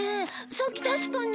さっき確かに。